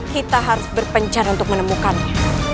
kita harus berpencar untuk menemukannya